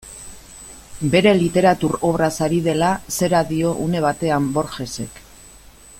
Bere literatur obraz ari dela, zera dio une batean Borgesek.